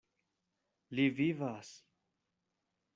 Li vivas!